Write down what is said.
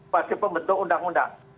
bagi pembentuk undang undang